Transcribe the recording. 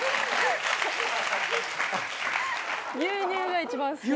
牛乳が一番好きです。